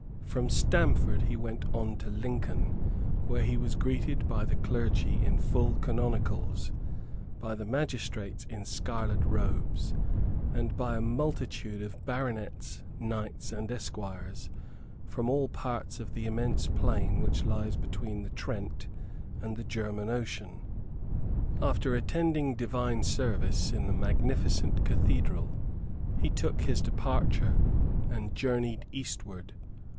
From Stamford he went on to Lincoln, where he was greeted by the clergy in full canonicals, by the magistrates in scarlet robes, and by a multitude of baronets, knights and esquires, from all parts of the immense plain which lies between the Trent and the German Ocean. After attending divine service in the magnificent cathedral, he took his departure, and journeyed eastward.